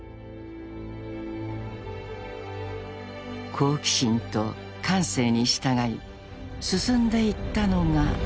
［好奇心と感性に従い進んでいったのが］